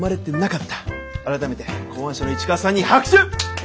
改めて考案者の市川さんに拍手！